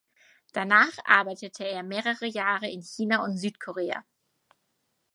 Danach arbeitete er mehrere Jahre in China und Südkorea.